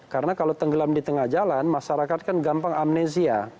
karena kalau tenggelam di tengah jalan masyarakat kan gampang amnesia